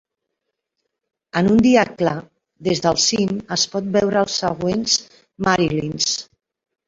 En un dia clar, des del cim es pot veure els següents Marilyns.